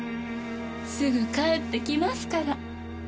すぐ帰ってきますから。